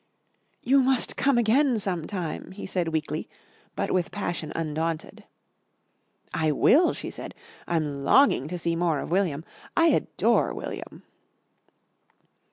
"You must come again some time," he said weakly but with passion undaunted. "I will," she said. "I'm longing to see more of William. I adore William!"